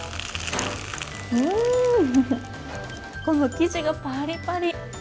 この生地がパリパリ。